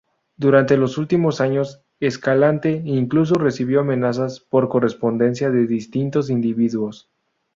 Durante los últimos años, Escalante incluso recibió amenazas por correspondencia de distintos individuos.